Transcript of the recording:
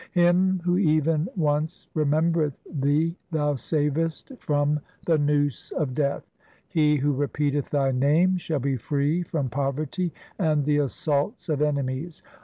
Him who even once remembereth Thee Thou savest from the noose of Death. He who repeateth Thy name Shall be free from poverty and the assaults of enemies.